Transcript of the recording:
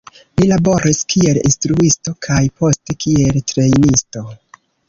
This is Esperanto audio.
Li laboris kiel instruisto kaj poste kiel trejnisto.